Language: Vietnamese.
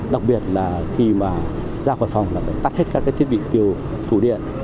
đặc biệt là khi mà ra khỏi phòng là phải tắt hết các thiết bị tiêu thủ điện